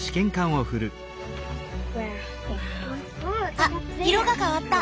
あっ色が変わった。